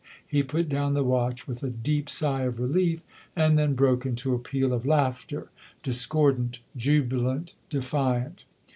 He put down the watch with a deep sigh of relief, and then broke into a peal of laughter discordant, jubilant, defiant.